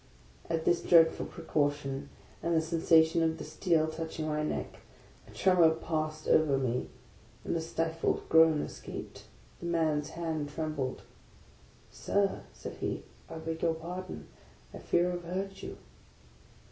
At this dreadful precaution, and the sensation of the steel touching my neck, a tremor passed over me, and a stifled groan escaped; the man's hand trembled. " Sir," said he, " I beg your pardon ; I fear I've hurt you."